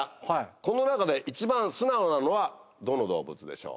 この中で一番すなおなのはどの動物でしょう？